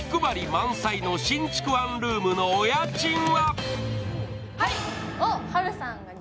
満載の新築ワンルームのお家賃は？